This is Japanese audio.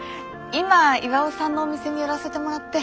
今巌さんのお店に寄らせてもらって。